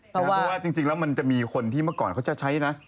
เพราะว่าจริงแล้วมันจะมีคนที่เมื่อก่อนเขาจะใช้นะ